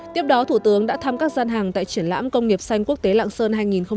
tiếp đó thủ tướng đã thăm các gian hàng tại triển lãm công nghiệp xanh quốc tế lạng sơn hai nghìn hai mươi bốn